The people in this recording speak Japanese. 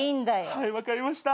はい分かりました。